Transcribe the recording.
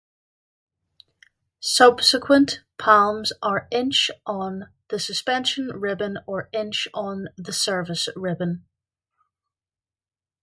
Subsequent palms are inch on the suspension ribbon or inch on the service ribbon.